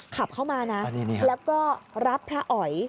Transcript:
ขับเข้ามานะแล้วก็รับพระอ๋อย